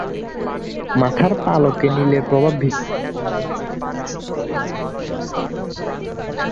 মাথার পালকে নীলের প্রভাব বেশি এবং চোখের কাছে কালো দাগের মত পালক।